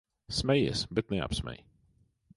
Smejies, bet neapsmej.